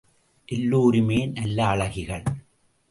எல்லோருமே நல்ல அழகிகள்.